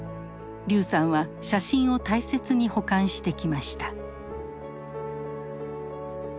劉さんは写真を大切に保管してきました。